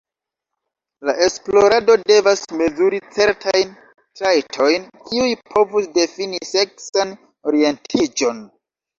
La esplorado devas mezuri certajn trajtojn kiuj povus difini seksan orientiĝon.